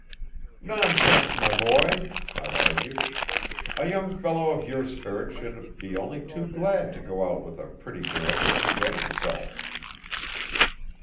"Nonsense, my boy," I argued; "a young fellow of your spirit should be only too glad to go out with a pretty girl and enjoy himself.